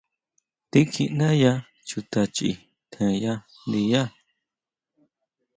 Tíkjiʼndáyá chuta chʼi tjenya ndiyá.